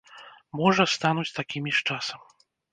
Можа, стануць такімі з часам.